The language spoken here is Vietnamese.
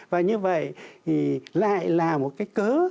và như vậy thì lại là một cái cớ